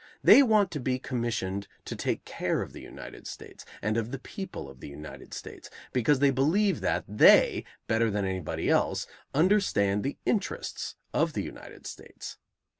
They want to be commissioned to take care of the United States and of the people of the United States, because they believe that they, better than anybody else, understand the interests of the United States.